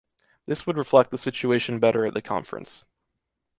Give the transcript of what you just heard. This would reflect the situation better at the Conference.